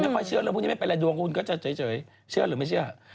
คุณไม่ค่อยเชื่อแล้วพรุ่งนี้ไม่เป็นไรดวงคุณก็จะเจ๋ยเชื่อหรือไม่เชื่อ